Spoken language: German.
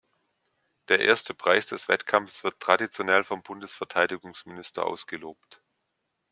Der Erste Preis des Wettkampfs wird traditionell vom Bundesverteidigungsminister ausgelobt.